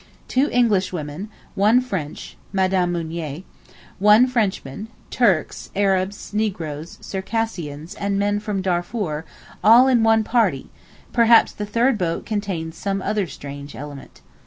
Two Englishwomen, one French (Mme. Mounier), one Frenchman, Turks, Arabs, Negroes, Circassians, and men from Darfor, all in one party; perhaps the third boat contains some other strange element.